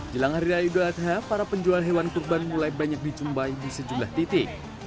jelang hari raya idul adha para penjual hewan kurban mulai banyak dicumbai di sejumlah titik